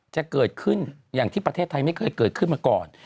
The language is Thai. จะเกิดขึ้นอย่างที่ประเทศไทยไม่เคยเกิดขึ้นมาก่อน